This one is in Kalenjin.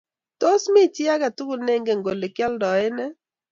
tos? Me chii age tugul neinget kole kioldoe nee?